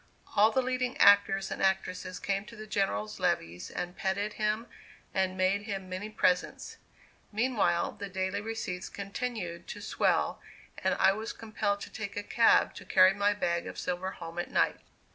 All the leading actors and actresses came to the General's levees and petted him and made him many presents. Meanwhile, the daily receipts continued to swell, and I was compelled to take a cab to carry my bag of silver home at night.